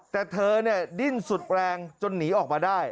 แต่เธอเนี่ยดิ้นสุดแรงจนหนีออกมาได้